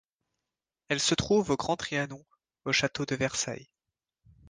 Elle se trouve au Grand Trianon, au Château de Versailles.